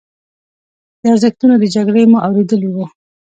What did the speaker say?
د ارزښتونو د جګړې مو اورېدلي وو.